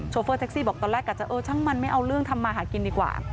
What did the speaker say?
เฟอร์แท็กซี่บอกตอนแรกอาจจะเออช่างมันไม่เอาเรื่องทำมาหากินดีกว่า